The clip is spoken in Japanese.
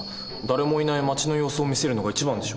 誰もいない町の様子を見せるのが一番でしょ？